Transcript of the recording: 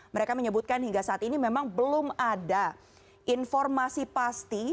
mereka menyebutkan hingga saat ini memang belum ada informasi pasti